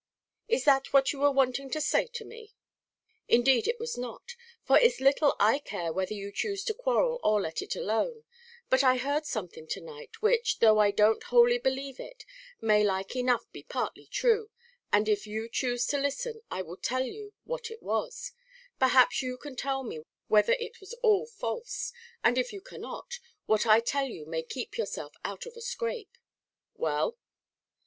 "Is that what you were wanting to say to me?" "Indeed it was not; for it's little I care whether you choose to quarrel or let it alone; but I heard something to night, which, though I don't wholly believe it, may like enough be partly true; and if you choose to listen, I will tell you what it was; perhaps you can tell me whether it was all false; and if you cannot, what I tell you may keep yourself out of a scrape." "Well."